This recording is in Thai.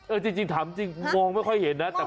จริงถามจริงมองไม่ค่อยเห็นนะ